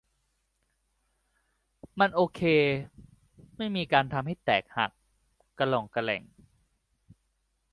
มันโอเค ไม่มีการทำให้แตกหักกะร่องกะแร่ง